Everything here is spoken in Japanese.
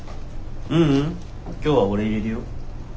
ううん今日は俺いれるよ。